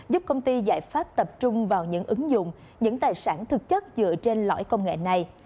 giúp công ty giải pháp tập trung vào những ứng dụng những tài sản thực chất dựa trên lõi công nghệ này